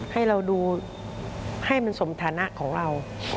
ให้เราดูให้มันสมฐานะของเรา